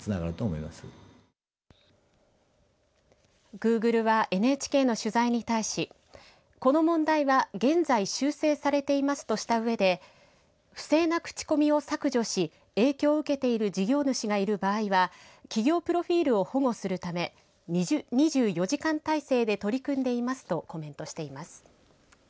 グーグルはＮＨＫの取材に対しこの問題は現在修正されていますとしたうえで不正なクチコミを削除し影響を受けている事業主がいる場合は企業プロフィールを保護するため２４時間体制で取り組んでいますとコメントしています。